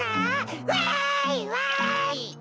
わいわい！